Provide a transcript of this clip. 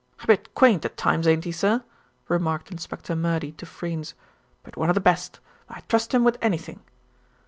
"A bit quaint at times, ain't he, sir?" remarked Inspector Murdy to Freynes; "but one of the best. I'd trust him with anything."